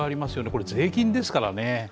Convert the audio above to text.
これ、税金ですからね。